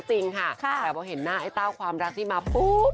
แต่ถ้าเห็นหน้าไอ้เต้าความรักนี่มาฟู๊บ